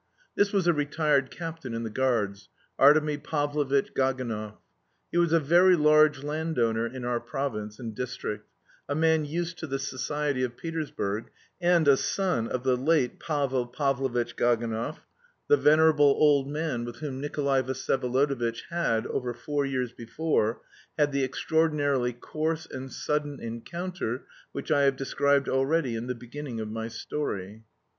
This was a retired captain in the guards, Artemy Pavlovitch Gaganov. He was a very large landowner in our province and district, a man used to the society of Petersburg, and a son of the late Pavel Pavlovitch Gaganov, the venerable old man with whom Nikolay Vsyevolodovitch had, over four years before, had the extraordinarily coarse and sudden encounter which I have described already in the beginning of my story.